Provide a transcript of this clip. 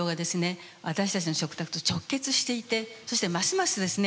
私たちの食卓と直結していてそしてますますですね